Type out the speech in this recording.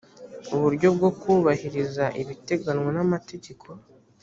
uburyo bwo kubahiriza ibiteganywa n amategeko